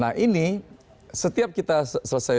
nah ini setiap kita selesai